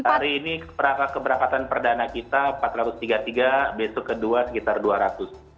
hari ini keberangkatan perdana kita empat ratus tiga puluh tiga besok kedua sekitar dua ratus